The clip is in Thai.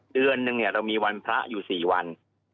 เดือนนึงเนี่ยเรามีวันพระอยู่๔วัน